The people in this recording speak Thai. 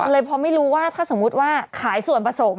เลยพอไม่รู้ว่าถ้าสมมุติว่าขายส่วนผสม